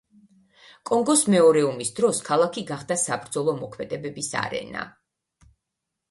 კონგოს მეორე ომის დროს ქალაქი გახდა საბრძოლო მოქმედებების არენა.